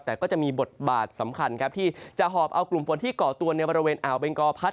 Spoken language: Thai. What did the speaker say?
แต่ก็จะมีบทบาทสำคัญครับที่จะหอบเอากลุ่มฝนที่เกาะตัวในบริเวณอ่าวเบงกอพัด